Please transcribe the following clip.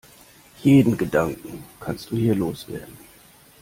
Jeden Gedanken kannst du hier los werden.